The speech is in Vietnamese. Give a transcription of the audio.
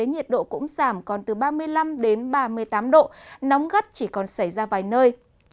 nhiệt độ cũng giảm còn từ ba mươi năm ba mươi tám độ nóng gắt chỉ còn xảy ra vài nơi